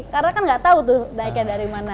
karena kan gak tahu tuh naiknya dari mana